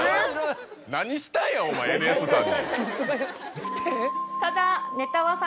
何したんやお前Ｎ．Ｓさんに。